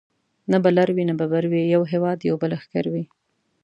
نه به لر وي نه به بر وي یو هیواد یو به لښکر وي